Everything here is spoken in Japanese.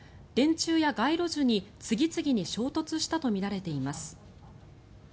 電柱や街路樹に次々に衝突したとみられています。